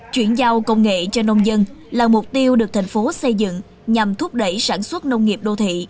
chuyển giao công nghệ cho nông dân là mục tiêu được thành phố xây dựng nhằm thúc đẩy sản xuất nông nghiệp đô thị